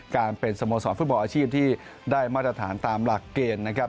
การเป็นสโมสรฟุตบอลอาชีพที่ได้มาตรฐานตามหลักเกณฑ์นะครับ